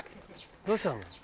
どうしたの？